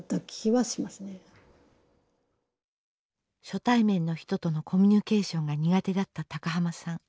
初対面の人とのコミュニケーションが苦手だった高浜さん。